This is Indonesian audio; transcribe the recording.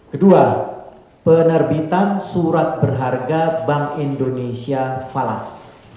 kedua penerbitan surat berharga bank indonesia falas